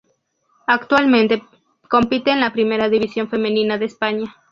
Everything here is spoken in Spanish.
Actualmente compite en la Primera División Femenina de España.